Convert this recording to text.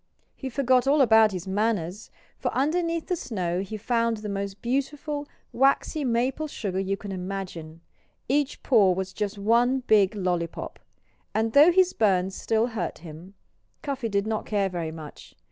He forgot all about his manners, for underneath the snow he found the most beautiful, waxy maple sugar you can imagine. Each paw was just one big lollypop! And though his burns still hurt him, Cuffy did not care very much.